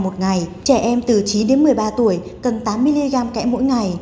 trẻ em từ chín một mươi ba tuổi cần tám mg kẽm mỗi ngày